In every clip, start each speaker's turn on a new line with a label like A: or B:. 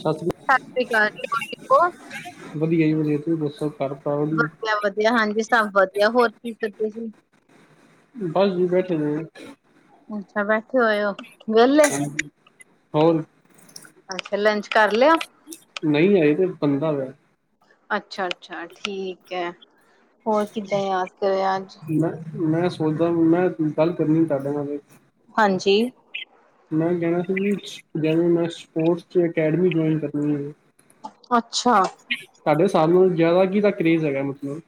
A: ਸਤਿ ਸ਼੍ਰੀ
B: ਸਤਿ ਸ਼੍ਰੀ ਅਕਾਲ। ਹੋਰ ਠੀਕ ਹੋ?
A: ਵਧੀਆ ਜੀ ਵਧੀਆ, ਤੁਸੀਂ ਦੱਸੋ? ਕਰ
B: ਵਧੀਆ-ਵਧੀਆ ਹਾਂਜੀ ਸਭ ਵਧੀਆ। ਹੋਰ ਕੀ ਕਰਦੇ ਸੀ?
A: ਬਸ ਜੀ ਬੈਠੇ ਦੇ ਆ।
B: ਅੱਛਾ ਬੈਠੇ ਹੋਏ ਹੋ। ਵੇਹਲੇ?
A: ਹਾਂਜੀ, ਹੋਰ?
B: ਅੱਛਾ, ਲੰਚ ਕਰ ਲਿਆ?
A: ਨਹੀਂ ਆਈ ਤੇ ਬੰਦਾ ਵੇ।
B: ਅੱਛਾ-ਅੱਛਾ ਠੀਕ ਐ, ਹੋਰ ਕਿੱਦਾਂ ਯਾਦ ਕਰੇਆ ਅੱਜ?
A: ਮੈਂ ਮੈਂ ਸੋਚਦਾ, ਮੈਂ ਗੱਲ ਕਰਨੀ ਤੁਆਡੇ ਨਾਲ ਇਕ।
B: ਹਾਂਜੀ।
A: ਮੈਂ ਕਹਿਣਾ ਸੀ ਵੀ, ਜਿਵੇਂ ਮੈਂ ਸਪੋਰਟਸ ਚ ਅਕੈਡਮੀ ਜੁਆਇਨ ਕਰਨੀ ਏ
B: ਅੱਛਾ
A: ਸਾਡੇ ਸਾਨੂੰ ਜ਼ਿਆਦਾ ਕਿੱਦਾਂ ਕਰੇਜ਼ ਹੈਗਾ ਮਤਲਬ?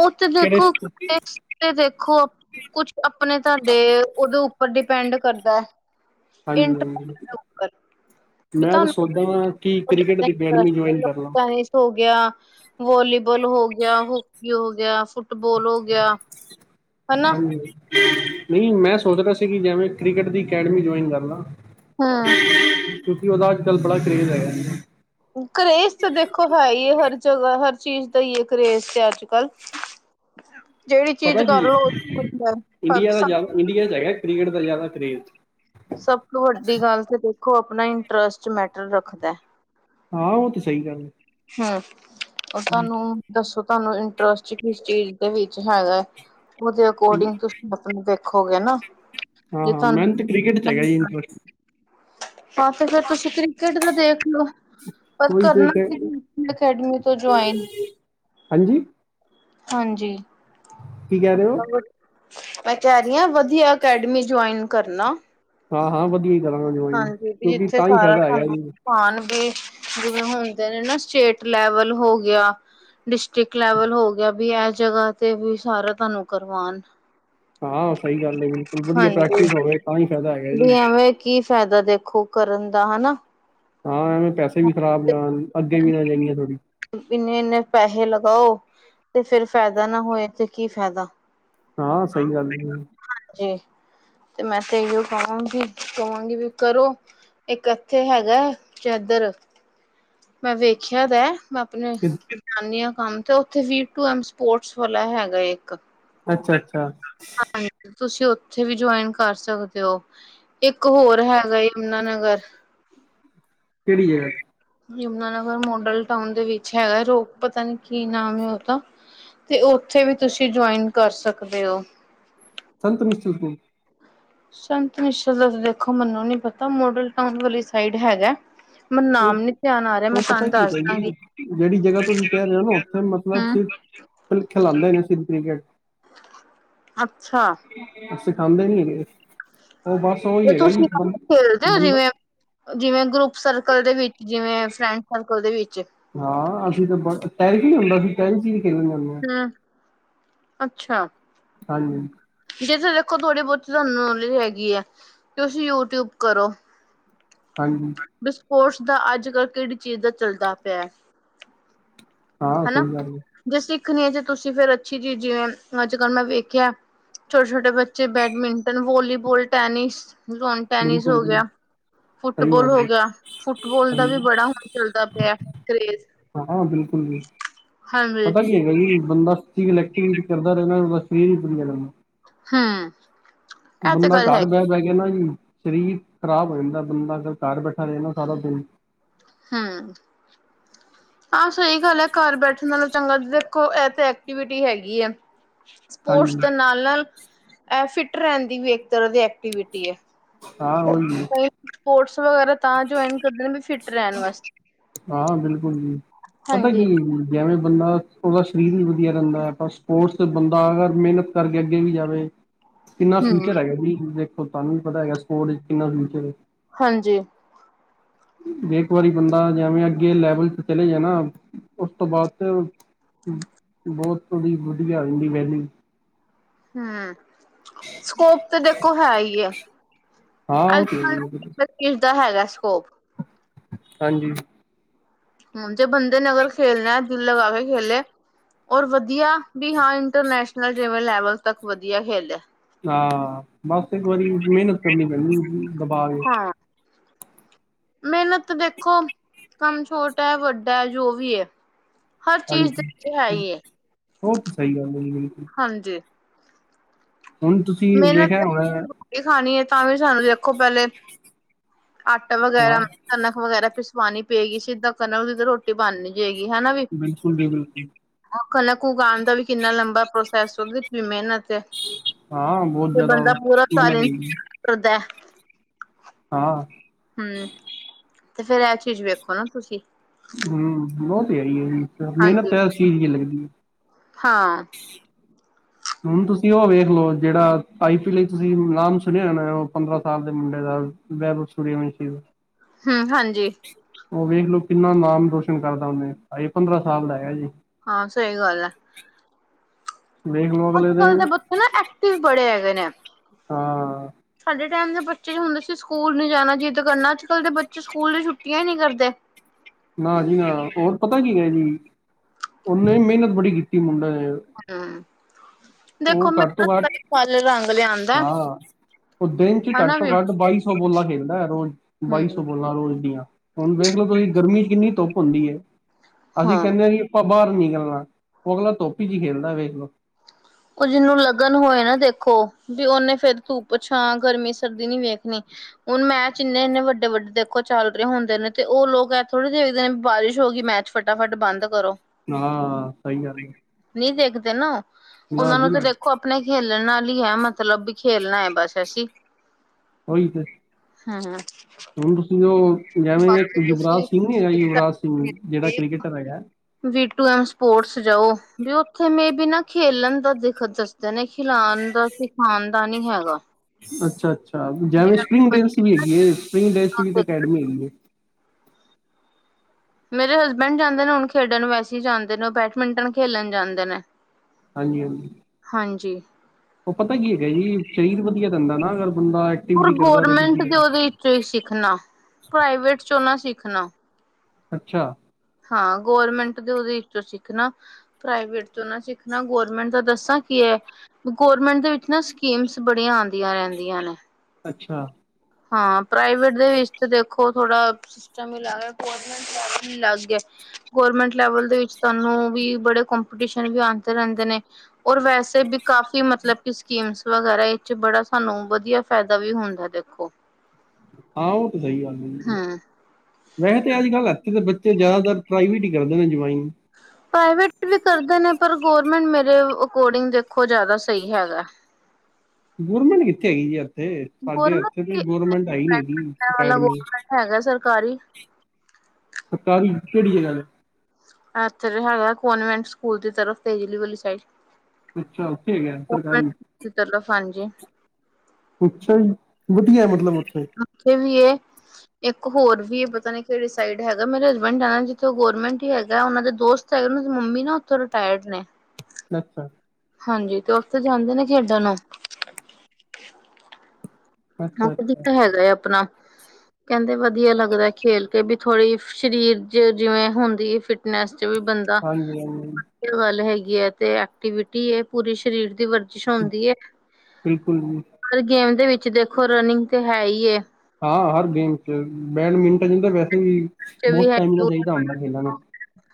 B: ਉਹ ਤੇ
A: ਕਿਹੜੇ
B: ਦੇਖੋ,
A: ਸਕੂ
B: ਟੇਸ੍ਟ ਤੇ ਦੇਖੋ, ਕੁਛ ਆਪਣੇ ਤੁਹਾਡੇ, ਉਦੇ ਉ ਉਪਰ ਡਿਪੈਂਡ ਕਰਦਾ ਐ।
A: ਹਾਂਜੀ।
B: ਵੀ
A: ਮੈਂ ਤਾਂ
B: ਤੁਹਾਨੂੰ
A: ਸੋਚਦਾ ਹਾਂ, ਕਿ ਕ੍ਰਿਕਟ ਦੀ ਅਕੈਡਮੀ ਜੁਆਇਨ ਕਰ ਲਾਂ।
B: ਇੰਟਰਸਟ ਹੋ ਗਿਆ, ਵੋਲੀਬੌਲ ਹੋ ਗਿਆ, ਹੋਕੀ ਹੋ ਗਿਆ, ਫੁ ਟਬੋਲ ਹੋ ਗਿਆ, ਹਨਾ?
A: ਨਈ ਮੈਂ ਸੋਚਦਾ ਪੇਆ ਸੀ, ਕਿ ਜੇਵੇਂ ਕ੍ਰਿਕਟ ਦੀ ਅਕੈਡਮੀ ਜੁਆਇਨ ਕਰ ਲਾ?
B: ਹੂੰ।
A: ਕਿਉਂਕਿ ਉਹਦਾ ਅੱਜ ਕੱਲ ਬੜਾ ਕਰੇਜ਼ ਹੈਗਾ।
B: ਕਰੇਜ਼ ਤੇ ਦੇਖੋ ਹੈ ਈ ਹੈ ਹਰ ਜਗ੍ਹਾ, ਹਰ ਚੀਜ਼ ਦਾ ਈ ਏ, ਕਰੇਜ਼ ਤੇ ਅੱਜ ਕੱਲ। ਜਿਹੜੀ ਚੀਜ਼
A: ਪਤਾ ਕੀ
B: ਕਰਲੋ [unintelligible]
A: ਕਰੀਡ ਦਾ ਜ਼ਿਆਦਾ ਕਰੇਜ਼
B: ਸਭ ਤੋਂ ਵੱਡੀ ਗੱਲ ਤੇ ਦੇਖੋ, ਅਪਣਾ ਇੰਟਰਸਟ ਮੈਟਰ ਰੱਖਦਾ ਏ।
A: ਹਾਂ ਉਹ ਤੇ ਸਹੀ ਗੱਲ ਹੈ।
B: ਹੂੰ, ਉਹ ਤੁਆਨੂੰ ਦੱਸੋ ਤੁਆਨੂੰ ਇੰਟਰਸਟ ਕਿਸ ਚੀਜ਼ ਦੇ ਵਿੱਚ ਹੈਗਾ ਹੈ? ਉਹਦੇ ਅਕੋਰਡਿੰਗ ਤੁਸੀਂ ਮਤਲਬ ਦੇਖੋਗੇ ਨਾ। ਜੇ
A: ਹਾਂ-ਹਾਂ ਮੈਨੂੰ ਤੇ
B: ਤੁਹਾਨੂੰ
A: ਕ੍ਰਿਕਟ 'ਚ ਹੈਗਾ ਜੀ ਇੰਟਰਸਟ
B: [unintelligible] ਹਾਂ ਤੇ ਫੇਰ ਤੁਸੀਂ ਕ੍ਰਿਕਟ ਦਾ ਦੇਖ ਲਓ। ਪਰ
A: ਉਹੀ ਤੇ
B: ਕਰਨਾ
A: ਕਹਿ
B: ਕਿਸੀ ਅਕੈਡਮੀ ਤੋਂ ਜੋਆਈਨ।
A: ਹਾਂਜੀ
B: ਹਾਂਜੀ,
A: ਕੀ ਕਹਿ ਰਹੇ ਹੋ?
B: ਅਪਣਾ ਮੈਂ ਕੇਹ ਰਈ ਆ, ਵਧੀਆ ਅਕੈਡਮੀ ਜੂਆਇਨ ਕਰਨਾ।
A: ਹਾਂ-ਹਾਂ ਵਧੀਆ ਈ ਕਰਾਂਗਾ ਜੋਆਇਨ,
B: ਵੀ
A: ਕਿਉਂਕਿ
B: ਜਿੱਥੇ
A: ਤਾਂ ਹੀ
B: ਸਾਰਾ
A: ਫਾਇਦਾ ਹੈਗਾ
B: ਤੁਹਾਨੂੰ
A: ਜੀ।
B: ਹਾਂਜੀ ਜਿਵੇਂ ਹੁੰਦੇ ਨੇ ਨਾ, ਸਟੇਟ ਲੈਵਲ ਹੋ ਗਿਆ। ਡਿਸਟ੍ਰਿਕਟ ਲੈਵਲ ਹੋ ਗਿਆ, ਵੀ ਏਹ ਜਗ੍ਹਾ ਤੇ ਵੀ ਸਾਰਾ ਤੁਹਾਨੂੰ ਕਰਵਾਉਣ।
A: ਹਾਂ ਸਈ ਗੱਲ ਹੈ ਬਿਲਕੁਲ, ਵਧੀਆ
B: ਹਾਂਜੀ
A: ਪ੍ਰੈਕਟਿਸ ਹੋਵੇ, ਤਾਂ ਹੀ ਫਾਇਦਾ ਹੈਗਾ
B: ਵੀ
A: ਜੀ।
B: ਐਵੇਂ ਕੀ ਫਾਇਦਾ ਦੇਖੋ ਕਰਨ ਦਾ ਹਨਾ?
A: ਹਾਂ ਐਵੇਂ ਈ ਪੈਸੇ ਵੀ ਖ਼ਰਾਬ ਜਾਣ, ਅੱਗੇ ਵੀ ਨਾ ਜਾਈਏ ਥੋੜੀ।
B: ਏਨੇ- ਏਨੇ ਪੈਹੇ ਲਗਾਓ ਤੇ ਫੇਰ ਫਾਇਦਾ ਨਾ ਹੋਏ ਤੇ ਕੀ ਫੈਦਾ।
A: ਹਾਂ ਸਈ ਗੱਲ ਏ।
B: ਹਾਂਜੀ, ਤੇ ਮੈਂ ਤੇ ਇਹੋ ਕਹਾਂਗੀ, ਕਹਾਂਗੀ ਵੀ ਕਰੋ ਇੱਕ ਐਥੇ ਹੈਗਾ ਚਾਦਰ ਮੈਂ ਵੇਖਿਆ ਤੇ ਹੈ ਮੈਂ ਆਪਣੇ ਜਾਨੀ ਆ ਕੰਮ ਤੇ ਓਥੇ ਵੀ ਟੂ ਐਮ ਸਪੋਰਟਸ ਵਾਲਾ ਹੈਗਾ ਏ ਇਕ।
A: ਅੱਛਾ-ਅੱਛਾ।
B: ਤੁਸੀਂ ਉੱਥੇ ਵੀ ਜੁਆਇਨ ਕਰ ਸਕਦੇ ਓ, ਇੱਕ ਹੋਰ ਹੈਗਾ ਯਮੁਨਾ ਨਗਰ।
A: ਕਿਹੜੀ ਜਗਾ?
B: ਯਮੁਨਾਨਗਰ ਮੋਡਲ ਟਾਊਨ ਦੇ ਵਿੱਚ ਹੈਗਾ, ਰੋ ਪਤਾ ਨੀ ਕੀ ਨਾਮ ਹੈ ਓਦਾ। ਤੇ ਉੱਥੇ ਵੀ ਤੁਸੀਂ ਜੁਆਇਨ ਕਰ ਸਕਦੇ ਓ।
A: [unintelligible]
B: ਸੰਤ ਨਿਸ਼ਚਲ ਦਾ ਦੇਖੋ ਮੈਨੂੰ ਨੀ ਪਤਾ ਮੋਡਲ ਟਾਉਨ ਵਾਲੀ ਸਾਈਡ ਹੈਗੈ।
A: ਓ, ਓ ਪਤਾ ਕੀ
B: ਦੱਸ
A: ਹੈਗਾ ਜੀ
B: ਦਾਂਗੀ
A: ਜੇੜੀ ਜਗਾ ਤੁਸੀਂ ਕੈ ਰਏ ਓ ਨਾ ਉੱਥੇ ਮਤਲਬ
B: ਹਮ
A: ਸਿਰਫ ਖਲਾਦੇ ਨੇ ਸੀਰਫ ਕ੍ਰਿਕਟ
B: ਅੱਛਾ
A: ਸੀਖਾਦੇ ਨੀ ਹੈਗੇ ਓ ਬਸ।
B: ਤੇ
A: ਉਹੀ ਹੈਗਾ ਜੀ
B: ਤੁਸੀਂ ਕ
A: ਬੰ
B: ਖੇਲਦੇ ਓ
A: ਬੰਦਾ
B: ਜਿਵੇਂ ਜਿਵੇਂ ਗਰੁਪ ਸਰਕਲ ਦੇ ਵਿੱਚ ਜਿਵੇਂ ਫਰੈਂਡ ਸਰਕਲ ਦੇ ਵਿੱਚ।
A: ਹਾਂ ਅਸੀਂ ਤਾਂ ਬ ਟੈਰਕ ਨੀ ਹੁੰਦਾ ਅਸੀਂ ਟੈਰ ਚ ਹੀ ਖੇਡਣ ਜਾਂਦੇ ਆ।
B: ਹਮ ਅੱਛਾ।
A: ਹਾਂਜੀ।
B: ਜਿੱਥੇ ਦੇਖੋ ਥੋੜੀ ਬੋਤੀ ਧਾਨੂੰ ਨੌਲੇਜ ਹੈਗੀ ਆ, ਤੁਸੀਂ ਯੂਟਿਊਬ ਕਰੋ।
A: ਹਾਂਜੀ।
B: ਬਸਪੋਰਟਸ ਦਾ ਅੱਜ ਕੱਲ ਕੇੜੀ ਚੀਜ਼ ਦਾ ਚੱਲਦਾ ਪੇਆ?
A: ਹਾਂ ਸਈ ਗੱਲ
B: ਜੇ ਸਿੱਖਣੀ ਏ ਜੇ ਤੁਸੀਂ ਫੇਰ ਅੱਛੀ ਚੀਜ਼ ਜਿਵੇਂ ਅੱਜ ਕੱਲ ਮੈਂ ਵੇਖਿਆ ਛੋ ਛੋਟੇ ਬੱਚੇ badminton, volleyball, tennis, lawn tennis
A: ਬਿਲਕੁਲ
B: ਹੋ
A: ਜੀ
B: ਗਿਆ।
A: ਸਹੀ
B: ਫੁੱਟਬੋਲ
A: ਗੱਲ
B: ਹੋ
A: ਹੈ
B: ਗੇਆ, ਫੁੱਟਬੋਲ ਦਾ ਵੀ
A: ਹਾਂਜੀ
B: ਬੜਾ ਹੁਣ ਚੱਲਦਾ ਪੇਆ ਕਰੇਜ਼।
A: ਹਾਂ -ਹਾਂ ਬਿਲਕੁਲ ਜੀ,
B: ਹਾਂਜੀ
A: ਪਤਾ ਕੀ ਹੈਗਾ ਜੀ ਬੰਦਾ ਫਿਜੀਕਲ ਐਕਟੀਵਿਟੀ ਕਰਦਾ ਰਵੇ ਨਾ [unintelligible]
B: ਹਾਂ।
A: ਬੰਦਾ ਘਰ ਬੈ-ਬੈ ਕੇ ਨਾ ਜੀ ਸਰੀਰ ਖ਼ਰਾਬ ਹੋ ਜਾਂਦਾ ਬੰਦਾ ਅਗਰ ਘਰ ਬੈਠਾ ਰਏ ਨਾ ਸਾਰਾ ਦਿਨ
B: ਹੂੰ, ਆ ਸਈ ਗੱਲ ਐ ਘਰ ਬੈਠਣ ਨਾਲੋ ਚੰਗਾ ਦੇਖੋ ਐ ਤੇ ਐਕਟੀਵਿਟੀ ਹੈਗੀ ਆ, ਸਪੋਰਟਸ
A: ਹਾਂਜੀ
B: ਦੇ ਨਾਲ-ਨਾਲ ਐ ਫਿੱਟ ਰੈਂਦੀ ਵੀ ਇੱਕ ਤਰਾਂ ਦੀ ਐਕਟੀਵਿਟੀ ਐ।
A: [unintelligible]
B: ਸਪੋਰਟਸ ਵਗੈਰਾ ਤਾਂ ਜੋੁਆਇਨ ਕਰਦੇ ਨੇ ਵੀ ਫਿਟ ਰੈਣ ਵਾਸਤੇ।
A: ਹਾਂ ਬਿਲਕੁਲ ਜੀ, ਪਤਾ
B: ਹਾਂਜੀ
A: ਕੀ ਜਿਵੇਂ ਬੰਦਾ ਓਦਾ ਸਰੀਰ ਵੀ ਵਧੀਆ ਰੈਂਦਾ ਐ ਪਰ ਸਪੋਰਟਸ ਬੰਦਾ ਅਗਰ ਮਿਹਨਤ ਕਰਕੇ ਅੱਗੇ ਵੀ ਜਾਵੇ ਕਿੰਨਾ ਫਿਊਚਰ
B: ਹਮ
A: ਹੈਗਾ ਜੀ ਦੇਖੋ ਧਾਨੂੰ ਵੀ ਪਤਾ ਹੈਗਾ ਸਪੋਰਟ ਕਿੰਨਾ ਫਿਊਚਰ ਏ।
B: ਹਾਂਜੀ।
A: ਏਕ ਵਾਰੀ ਬੰਦਾ ਜਵੇਂ ਅੱਗੇ ਲੈਵਲ ਚ ਚਲੇ ਜਾ ਨਾ, ਓਸ ਤੋਂ ਬਾਦ ਫ ਬੋਤ ਥੋੜੀ ਵਧੀਆ ਰੈਂਦੀ ਮੈ
B: ਹੂੰ। ਸਕੋਪ ਤੇ ਦੇਖੋ ਹੈ ਈ ਆ
A: ਹਾਂ ਉਹ ਤੇ ਹੈ ਜੀ,
B: ਅਜ-ਕਲ ਏਸ ਦਾ ਹੈਗਾ ਸਕੋਪ
A: ਹਾਂਜੀ।
B: ਹੂੰ ਜੇ ਬੰਦੇ ਨੇ ਅਗਰ ਖੇਲਣਾ [unintelligible] ਔਰ ਵਧੀਆ ਵੀ ਹਾਂ ਇੰਟਰਨੈਸ਼ਨਲ ਜਿਵੇਂ, ਲੈਵਲ ਤੱਕ ਵਧੀਆ ਖੇਲਿਆ।
A: ਹਾਂ ਬਸ ਇੱਕ ਵਾਰੀ ਮਿਹਨਤ ਕਰਨੀ ਪੈਂਦੀ ਦਬਾ ਕੇ
B: ਹਾਂ ਮਿਹਨਤ ਤਾਂ ਦੇਖੋ ਕੰਮ ਛੋਟਾ, ਵੱਡਾ ਜੋ ਵੀ ਏ ਹਰ ਚੀਜ਼ ਦੇ
A: ਹਾਂਜੀ
B: ਵਿੱਚ ਹੈ ਈ ਐ,
A: ਉਹ ਤਾਂ ਸਹੀ ਗੱਲ ਹੈ ਜੀ ਬਿਲਕੁਲ
B: ਹਾਂਜੀ।
A: ਹੁਣ ਤੁਸੀਂ ਵੇਖਿਆ ਹੋਇਆ
B: ਇਹ ਖਾਣੀ ਏ, ਤਾਂ ਵੀ ਸਾਨੂੰ ਦੇਖੋ ਪਹਿਲੇ ਆਟਾ ਵਗੈਰਾ,
A: ਹਾਂ
B: ਕਣਕ ਵਗੈਰਾ, ਪਿਸਵਾਣੀ ਪਏਗੀ, ਸੀਧਾ ਕਣਕਾਂ ਦੀ ਤਾਂ ਰੋਟੀ ਬਣ ਵੀ ਜਾਂਈਗੀ, ਹਨਾ ਵੀ
A: ਬਿਲਕੁਲ ਜੀ ਬਿਲਕੁਲ
B: ਉਹ ਕਣਕ ਉਗਾਅਣ ਦਾ ਵੀ ਕਿੰਨਾ ਲੰਬਾ ਪ੍ਰੋਸੈਸ ਉਹਦੇ ਚ ਵੀ ਮਿਹਨਤ ਏ
A: ਹਾਂ ਬਹੁਤ
B: ਤੇ
A: ਜ਼ਿਆਦਾ
B: ਬੰਦਾ ਪੂਰਾ ਸਾਲ
A: ਮਿਹਨਤ
B: [unintelligible]
A: ਹੁੰਦੀ
B: ਕਰਦਾ।
A: ਹਾਂ।
B: ਹੂੰ, ਤੇ ਫੇਰ ਇਹ ਚੀਜ ਵੇਖੋ ਨਾ ਤੁਸੀਂ
A: ਹੂੰ ਬਹੁਤ ਤੇ ਹੈ ਈ ਏ ਜੀ, ਮਿਹਨਤ
B: ਹਾਂਜੀ
A: ਤਾਂ ਇਸ ਚੀਜ਼ ਲੱਗਦੀ
B: ਹਾਂ।
A: ਹੁਣ ਤੁਸੀਂ ਉਹ ਵੇਖ ਲਓ, ਜਿਹੜਾ ਆਈ ਪੀ ਲਈ ਤੁਸੀਂ ਨਾਮ ਸੁਣਿਆਣਾ, ਉਹ ਪੰਦਰਾਂ ਸਾਲ ਦੇ ਮੁੰਡੇ ਦਾ [unintelligible]
B: ਹਾਂ, ਹਾਂਜੀ।
A: ਉਹ ਵੇਖਲੋ ਕਿੰਨਾ ਨਾਮ ਰੋਸ਼ਨ ਕਰ ਤਾਂ ਉਹਨੇ ਅਜੇ ਪੰਦਰਾਂ ਸਾਲ ਦਾ ਏ ਅਜੇ।
B: ਹਾਂ, ਸਹੀ ਗੱਲ ਐ।
A: ਵੇਖ ਲਓ ਅਗਲੇ
B: ਅੱਜ-ਕੱਲ ਦੇ ਬੱਚੇ ਨਾ ਐਕਟਿਵ ਬੜੇ ਹੈਗੇ ਨੇ।
A: ਹਾਂ।
B: ਸਾਡੇ ਟਾਈਮ ਦੇ ਬੱਚੇ ਹੁੰਦੇ ਸੀ, ਸਕੂਲ ਨਹੀਂ ਜਾਣਾ ਜਿੱਦ ਕਰਨਾ, ਅੱਜ-ਕੱਲ੍ਹ ਦੇ ਬੱਚੇ ਸਕੂਲ ਦੀ ਛੁੱਟੀਆਂ ਈ ਨੀ ਕਰਦੇ।
A: ਨਾ ਜੀ ਨਾ ਹੋਰ ਪਤਾ ਕੀ ਏ ਜੀ, ਉਹਨੇ ਮਿਹਨਤ ਬੜੀ ਕੀਤੀ ਮੁੰਡੇ ਨੇ।
B: ਹੂੰ, ਦੇਖੋ
A: ਉਹ
B: ਮੈ
A: ਘੱਟ ਤੋਂ ਘੱਟ
B: [unintelligible] ਫੱਲ ਰੰਗ ਲਿਆਂਦਾ।
A: ਹਾਂ ਉਹ ਦਿਨ ਚ ਘੱਟ
B: ਹਨਾ
A: ਤੋਂ
B: ਵੀ
A: ਘੱਟ ਬਾਈ ਸੌ ਬੋਲਲਾ ਖੇਲਦਾ ਐ, ਰੋਜ਼ ਬਾਈ ਸੌ
B: ਹੂੰ
A: ਬੋਲਾਂ ਰੋਜ਼ ਦੀਆਂ। ਹੁਣ ਵੇਖ ਲੋ ਤੁਸੀਂ ਗਰਮੀ ਚ ਕਿੰਨੀ ਧੁੱਪ ਹੁੰਦੀ ਏ, ਅਸੀਂ
B: ਹਾਂ
A: ਕਹਿਨੇ ਆ ਕਿ ਆਪਾਂ ਬਾਹਰ ਨਿਕਲਣਾ, ਉਹ ਅਗਲਾ ਧਪ ਚ ਹੀ ਖੇਡਦਾ ਵੇਖਲੋ,
B: ਉਹ ਜਿਹਨੂੰ ਲੱਗਣ ਹੋਏ ਨਾ ਦੇਖੋ ਉਹਨੇ ਫੇਰ ਧੁੱਪ-ਛਾ, ਗਰਮੀ-ਸਰਦੀ ਨੀ ਵੇਖਣੀ। ਹੁਣ ਮੈਚ ਇੰਨੇ-ਇੰਨੇ, ਵੱਡੇ-ਵੱਡੇ ਦੇਖੋ ਚੱਲ ਰਹੇ ਹੁੰਦੇ ਨੇ, ਤੇ ਉਹ ਲੋਕ ਇਹ ਥੋੜ੍ਹੀ ਦੇਖਦੇ ਨੇ ਵੀ ਬਾਰਿਸ਼ ਹੋ ਗਈ ਮੈਚ ਫਟਾਫਟ ਬੰਦ ਕਰੋ।
A: ਹਾਂ, ਸਹੀ ਗੱਲ ਐ।
B: ਨਹੀਂ ਦੇਖਦੇ ਨਾ ਉਹ, ਉਹਨਾਂ ਨੂੰ ਤਾਂ
A: ਨਾ
B: ਦੇਖੋ ਆਪਣੇ ਖੇਲਣ ਨਾਲ ਈ ਐ ਮਤਲਬ ਵੀ ਖੇਲਣਾ ਐ ਬਸ ਸ਼ਸ਼ੀ
A: ਉਹੀ ਤੇ
B: ਹੂੰ-ਹੂੰ
A: ਹੁਣ ਤੁਸੀਂ ਉਹ ਜਿਵੇਂ ਯੁਵਰਾਜ ਸਿੰਘ ਨੀ ਹੈਗਾ, ਯੁਵਰਾਜ ਸਿੰਘ ਜਿਹੜਾ ਕ੍ਰਿਕਕੇਟਰ ਹੈਗਾ।
B: ਵੀ ਟੂ ਐਮ ਸਪੋਰਟਸ ਜਾਓ, ਵੀ ਉੱਥੇ ਮੇਵੀ ਨਾ ਖੇਲਣ ਦਾਖ ਜਨੇ ਖਿਲੲਣ ਦਾ ਸਿਖਾਣ ਦਾ ਨੀ ਹੈਗਾ।
A: ਅੱਛਾ-ਅੱਛਾ ਜੈਵੇਂ ਸਪ੍ਰਿੰਗ ਡੈਸ ਵੀ ਹੈਗੀ ਏ, ਸਪ੍ਰਿੰਗ ਡੈਸ ਵੀ ਤਾਂ ਅਕੈਡਮੀ ਹੈਗੀ ਏ।
B: ਮੇਰੇ ਹਜਬੈਂਡ ਜਾਂਦੇ ਨੇ ਹੁਣ, ਖੇਡਣ ਵੈਸੇ ਜਾਂਦੇ ਨੇ ਉਹ ਬੈਡਮਿੰਟਨ ਖੇਡਣ ਜਾਂਦੇ ਨੇ।
A: ਹਾਂਜੀ-ਹਾਂਜੀ
B: [inaudible]
A: ਉਹ ਪਤਾ ਕੀ ਹੈਗਾ ਜੀ ਸਰੀਰ ਵਧੀਆ ਦਿੰਦਾ ਨਾ ਅਗਰ ਬੰਦਾ ਐਕਟੀਵੀਟੀ ਕਰਦਾ ਰਏ।
B: ਨਾ ਪ੍ਰਾਈਵੇਟ ਚੋਂ ਨਾ ਸਿੱਖਣਾ।
A: ਅੱਛਾ
B: ਹਾਂ ਗੋਰਮੈਂਟ ਜੋਵੀ ਸਿੱਖਨਾ ਪ੍ਰਾਈਵੇਟ ਤੋਂ ਨਾ ਸਿੱਖਣਾ, ਗੌਰਮੈਂਟ ਦਾ ਦੱਸਾਂ ਕੀ ਏ ਗੋਰਮੈਂਟ ਦੇ ਵਿਚ ਨਾ ਸਕੀਮਸ ਬੜੀਆਂ ਆਂਦੀਆਂ ਰਹਿੰਦੀਆਂ ਨੇ।
A: ਅੱਛਾ
B: ਹਾਂ, ਪ੍ਰਾਈਵੇਟ ਦੇ ਵਿੱਚ ਦੇਖੋ ਥੋੜਾ ਸਿਸਟਮ ਅਲਾਵਾ ਗੌਰਮੇਂਟ ਜੋਬ ਹੀ ਲੱਗ ਗਿਆ। ਗੌਰਮੈਂਟ ਲੈਵਲ ਦੇ ਵਿੱਚ ਤਾਨੂੰ ਵੀ ਬੜੇ ਕੰਪੀਟੀਸ਼ਨ ਵੀ ਆਂਦੇ ਰਹਿੰਦੇ ਨੇ। ਔਰ ਵੈਸੇ ਵੀ ਕਾਫੀ ਮਤਲਬ ਸਕੀਮਸ ਵਗੈਰਾ ਇਚ ਬੜਾ ਸਾਨੂੰ ਵਧੀਆ ਫਾਇਦਾ ਵੀ ਹੁੰਦਾ ਦੇਖੋ।
A: ਆਉ ਤਾਂ ਸਹੀ ਗੱਲ। ਹੈ ਜੀ।
B: ਹਾਂ‌।
A: ਵੈਸੇ ਅੱਜ -ਕੱਲ੍ਹ ਦੇ ਬੱਚੇ ਜ਼ਿਆਦਾਤਰ ਪ੍ਰਾਈਵੇਟ ਹੀ ਕਰਦੇ ਨੇ ਜੁਵਾਈਨ।
B: ਪ੍ਰਾਈਵੇਟ ਵੀ ਕਰਦੇ ਨੇ ਪਰ ਗਰਮੈਂਟ ਮੇਰੇ ਅਕੋਰਡਿੰਗ ਦੇਖੋ ਜ਼ਿਆਦਾ ਸਹੀ ਹੈਗਾ।
A: ਗਵਰਮੈਂਟ ਕਿੱਥੇ ਹੈਗੀ ਜੀ ਇੱਥੇ ਸਾਡੇ ਇਥੇ ਦੀ
B: ਗੌਰਮੈਂਟ
A: ਗਰਮੈਂਟ ਹੈਈ ਨੀ ਹੈਗੀ
B: ਵਾਲਾ
A: ਅਕੈਡਮੀ।
B: ਗੌਰਮੈਂਟ ਹੈਗਾ ਸਰਕਾਰੀ।
A: ਸਰਕਾਰੀ ਕਿਹੜੀ ਜਗਾ ਤੇ
B: ਐਥੇ ਤੇ ਹੈਗਾ ਕੋਨਵੈਂਟ ਸਕੂਲ ਦੀ ਤਰਫ ਤੇਜਲੀ ਵਾਲੀ ਸਾਈਡ।
A: ਅੱਛਾ ਉੱਥੇ ਹੈਗੇ ਆ ਸਰਕਾਰੀ।
B: ਇਸਦਾਮਤਲਬ ਹਾਂਜੀ।
A: ਅੱਛਾ ਜ ਵਧੀਆ ਮਤਲਬ ਉੱਥੇ
B: ਨ ਕੇ ਲਿਐ ਇੱਕ ਹੋਰ ਵੀ ਪਤਾ ਨੀ ਕਿਹੜੇ ਸਾਈਡ ਹੈਗਾ ਮੇਰੇ ਹਸਬੈਂਡ ਜਾਣਗੇ ਤੇ ਗਵਰਮੈਂਟ ਹੀ ਹੈਗਾ ਉਹਨਾਂ ਦੇ ਦੋਸਤ ਚ ਉਹ ਦੀ ਮੰਮੀ ਨਾ ਉੱਥੋਂ ਰਿਟਾਇਰਡ ਨੇ
A: ਅੱਛਾ [unintelligible]
B: ਹਾਂਜੀ ਤੇ ਉੱਥੇ ਜਾਂਦੇ ਨੇ ਖੇਡਣ ਨੂੰ ਉਹ
A: ਅੱਛਾ ਅੱਛਾ
B: ਕਧਖ ਹੈਗਾ ਆਪਣਾ ਕਹਿੰਦੇ ਵਧੀਆ ਲੱਗਦਾ ਖੇਲ ਕੇ ਵੀ ਥੋੜ੍ਹੀ ਸਰੀਰ ਚ ਜਿਵੇਂ ਹੁੰਦੀ ਫਿਟਨੈਸ ਚ ਵੀ ਬੰਦਾ
A: ਹਾਂਜੀ ਹਾਂਜੀ
B: ਗੱਲ ਹੈਗੀ ਹੈ ਤੇ ਐਕਟੀਵਿਟੀ ਹੈ ਪੂਰੀ ਸਰੀਰ ਦੀ ਵਰ ਹੋਂਦੀ
A: ਬਿਲਕੁਲ ਜੀ
B: ਪਰ ਗੇਮ ਦੇ ਵਿੱਚ ਦੇਖੋ ਰਨਿੰਗ ਤੇ ਹੈ ਹੀ
A: ਹਾਂ ਹਰ ਗੇਮ ਚ ਬੈਡਮਿੰਟਨ ਤਾਂ ਵੈਸੇ ਵੀ
B: ਚ ਵੀ
A: ਬਹੁਤ ਟਾਈਮ ਦਾ
B: ਹੈਗੀ
A: ਚਾਹੀਦਾ ਹੁੰਦਾ ਖੇਲਨਾ।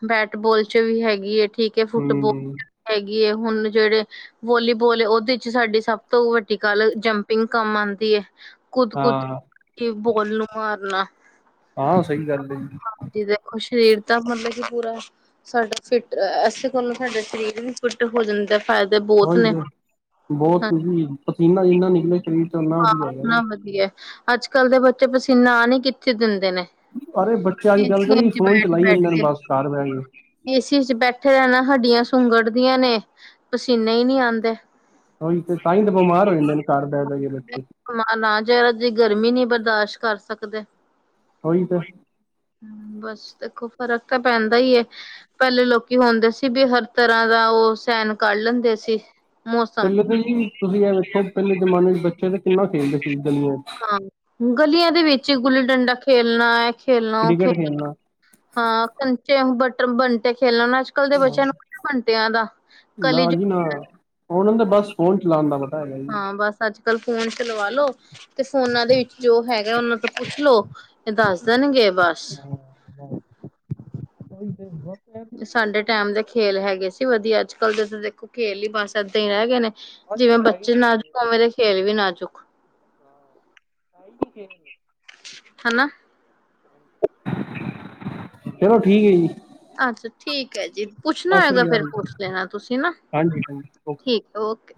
B: ਬੈਟਬੋਲ ਚ ਵੀ ਹੈਗੀਏ, ਠੀਕ ਹੈ
A: ਹੂੰ
B: ਫੁੱਟਬੋਾਲ ਹੈਗੀਏ, ਹੁਣ ਜਿਹੜੇ ਵੋਲੀਬੋਲ ਉਹਦੇ ਚ ਸਾਡੀ ਸਭ ਤੋਂ ਵੱਡੀ ਗੱਲ ਜੰਪਿੰਗ ਕਾ‌ਮ ਦੀ ਹੇ। ਕੌਦ -ਕੌਦ
A: ਹਾਂ
B: ਕੇ ਬੋਲ ਨੂੰ ਮਾਰਨਾ।
A: ਹਾਂ ਸਹੀ ਗੱਲ ਏ।
B: ਦੇਖੋ ਸਰੀਰ ਤਾਂ ਬਂਦੈ ਵਿਚ ਪੂਰਾ ਹੈ। ਸਾਡਾ ਫਿੱਟ ਐ - ਐ ਐਸੇ ਕੋੋਲੋਂ ਸਾਡਾ ਸਰੀਰ ਨ ਫਿੱਟ ਹੋ ਜਾਂਦਾ। ਫਾਇਦੇ ਬਹੁਤ
A: ਔਹੀ
B: ਨੇ
A: ਤੇ
B: ਹਾਂ
A: ਬਹੁਤ ਵੀ ਪਸੀਨਾ ਜੀਨਾ ਨਿਕਲੇ ਸਰੀਰ ਚ ਓਨਾ
B: ਹਾਂ
A: ਵਧੀਆ ਹੈਗਾ
B: ਨਾ
A: ਜੀ।
B: ਵਧੀਆ ਅੱਜ ਕੱਲ ਦੇ ਬੱਚੇ ਪਸੀਨਾ ਆਨ ਈ ਕਿੱਥੇ ਦਿੰਦੇ ਨੇ।
A: ਸਾਰੇ ਬੱਚੇ ਅੱਜ ਕੱਲ ਦੇ ਜੀ
B: ਏਸੀ ਚ
A: ਫੋਨ ਚਲਾਈ ਜਾਂਦੇ ਨੇ ਬਸ ਘਰ ਬਹਿ ਕੇ।
B: ਕਿ ਅਸੀ ਅਸੀ ਬੈਠੇ ਰਹਿਨੇ ਹੱਡੀਆਂ ਸੁੰਗੜਦੀਆਂ ਨੇ ਪਸੀਨੇ ਹੀ ਨਹੀਂ ਆਉਂਦੇ।
A: ਉਹੀ ਤੇ ਤਾਂਹੀ ਤਾਂ ਬਿਮਾਰ ਹੋ ਜਾਂਦੇ ਨੇ ਘਰ ਬੈ- ਬੈ ਕੇ।
B: ਬਿਮਾਰ ਨਾ ਅਜ ਦੀ ਗਰਮੀ ਨੀ ਬਰਦਾਸ਼ ਕਰ ਸਕਦੇ।
A: ਔਹੀ ਤੈ।
B: ਬਸ ਦੇਖੋ ਫ਼ਰਕ ਤਾਂ ਪੈਂਦਾ ਹੀ ਹੈ। ਪਹਿਲੇ ਲੋਕੀ ਹੁੰਦੇ ਸੀ ਵੀ ਹਰ ਤਰ੍ਹਾਂ ਦਾ ਉਹ ਸਹਿਣ ਕੱਢ ਲੈਂਦੇ ਸੀ ਮੌਸਮ
A: ਪਹਿਲੇ ਤਾਂ ਜੀ ਤੁਸੀਂ ਇਹ ਵੇਖੋ ਪਹਿਲੇ ਜਮਾਨੇ ਚ ਬੱਚੇ ਤਾਂ ਕਿੰਨਾ ਖੇਲਦੇ ਸੀ ਗਲੀਆਂ ਚ
B: ਹਾਂ ਗਲੀਆਂ ਦੇ ਵਿੱਚ ਗੁੱਲੀ ਡੰਡਾ ਖੇਲਣਾ ਹੈ ਖੇਲਣਾ ਉਹ ਖੇ
A: ਕ੍ਰਿਕਟ ਖੇਲਣਾ
B: ਹਾਂ ਕਚੇ ਬਟ ਬੰਟੇ ਖੇਲਣਣਾ ਅੱਜ ਕੱਲ੍ਹ ਦੇ ਬੱਚਿਆਂ ਨੂੰ ਬੰਟਿਆ ਦਾ ਕਲੀ
A: ਨਹੀਂ ਨਾ ਉਹਨਾਂ ਦਾ ਬਸ ਫੋਨ ਚਲਾਉਣ ਦਾ ਪਤਾ ਹੈਗਾ ਜੀ
B: ਹਾਂ ਬਸ ਅੱਜ ਕਲ ਫੋਨ ਚਲਵਾਾਲੋ ਤੇ ਫੋਨਾਂ ਦੇ ਵਿੱਚ ਜੋ ਹੈਗਾ ਉਹਨਾਂ ਤੋਂ ਪੁੱਛ ਲੋੋ ਇਹ ਦੱਸ ਦੇਣਗੇ ਬਸ
A: ਹ ਈ ਤੇ [inaudible]
B: ਸਾਡੇ ਟਾਈਮ ਦੇ ਖੇਲ ਹੈਗੇ ਸੀ ਵਧੀਆ ਅੱਜ ਕੱਲ੍ਹ ਜਸੀ ਦੇਖੋ ਖੇਲ ਹੀ ਬਸ ਏਦਾਂ ਹੀ ਰਹਿ ਗਏ ਨੇ
A: ਅੱਜ
B: ਜਿਵੇਂ
A: ਤੇ ਹੈ ਹੀ
B: ਬੱਚੇ
A: ਨਹੀਂ ਜੀ ਖੇਲ
B: ਨਾਜੁੱਕਵੇਂ ਦੇ ਖੇਲ ਵੀ ਨਾ ਚੁੱਕ
A: ਹਾਂ ਆਈ ਨੀ ਖ [unintelligible]
B: ਹਨਾ [unintelligible]
A: ਚਲੋ ਠੀਕ ਹੈ ਜੀ
B: ਅੱਛਾ ਠੀਕ ਹੈ ਜੀ, ਪੁੱਛਣਾ
A: ਸਤਿ
B: ਹੋਏਗਾ
A: ਸ੍ਰੀ
B: ਫਿਰ
A: ਅਕਾਲ
B: ਪੁੱਛ ਲੈਣਾ ਤੁਸੀਂ ਨਾ
A: ਹਾਂਜੀ ਹਾਂਜੀ ਓਕੇ।
B: ਠੀਕ ਹੈ ਓਕੇ